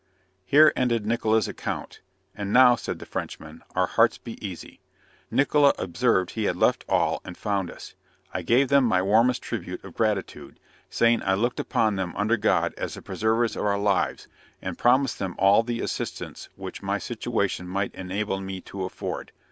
Here ended Nickola's account. "And now" said the Frenchman, "our hearts be easy." Nickola observed he had left all and found us. I gave them my warmest tribute of gratitude, saying I looked upon them under God as the preservers of our lives, and promised them all the assistance which my situation might enable me to afford.